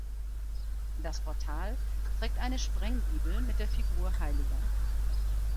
Das Portal trägt eine Sprenggiebel mit der Figur hl.